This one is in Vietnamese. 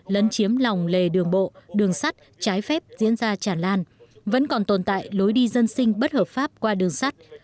lấn chiếm lòng lề đường bộ đường sắt trái phép diễn ra tràn lan vẫn còn tồn tại lối đi dân sinh bất hợp pháp qua đường sắt